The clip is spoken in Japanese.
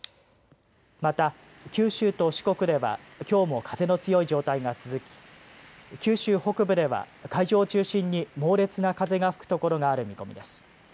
また、九州と四国ではきょうも風の強い状態が続き九州北部では海上を中心に猛烈な風が吹くところがある見込みです。